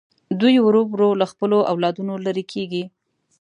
دوی ورو ورو له خپلو اولادونو لرې کېږي.